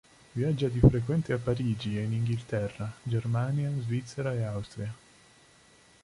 Viaggia di frequente a Parigi e in Inghilterra, Germania, Svizzera e Austria.